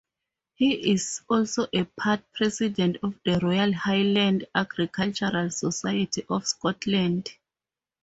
He is also a past President of the Royal Highland Agricultural Society of Scotland.